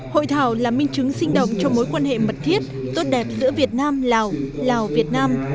hội thảo là minh chứng sinh động cho mối quan hệ mật thiết tốt đẹp giữa việt nam lào lào việt nam